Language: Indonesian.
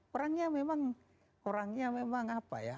orangnya memang orangnya memang apa ya